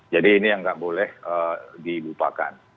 jadi ini yang tidak boleh dilupakan